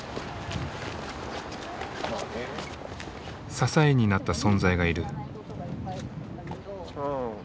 支えになった存在がいる。